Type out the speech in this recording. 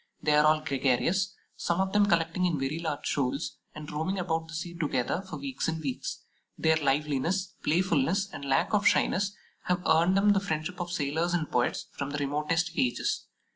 They are all gregarious, some of them collecting in very large shoals, and roaming about the sea together for weeks and weeks. Their liveliness, playfulness, and lack of shyness have earned them the friendship of sailors and poets from the remotest ages.